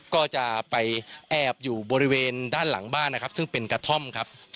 ก็จะไปแอบอยู่บริเวณด้านหลังบ้านนะครับซึ่งเป็นกระท่อมครับ